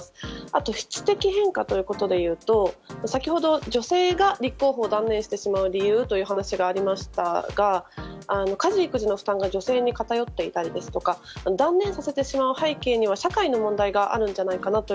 あと質的変化ということでいうと先ほど女性が立候補を断念してしまう理由という話がありましたが家事・育児の負担が女性に偏っていたりですとか断念させてしまう背景には社会の問題があるのではないかと